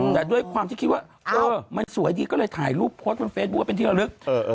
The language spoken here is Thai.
แต่ด้วยความที่คิดว่าเออมันสวยดีก็เลยถ่ายรูปโพสต์บนเฟซบุ๊คว่าเป็นที่ระลึก